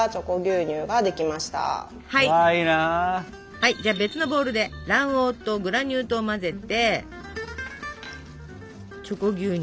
はいじゃあ別のボウルで卵黄とグラニュー糖を混ぜてチョコ牛乳